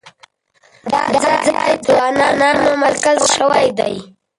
دا ځای د ځوانانو مرکز شوی دی.